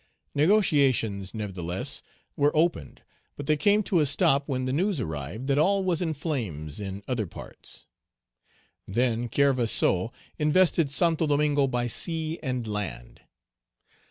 Negotiations, nevertheless, were opened, but they came to a stop when the news arrived that all was in flames in other parts. Then Kerverseau invested Santo Domingo by sea and land.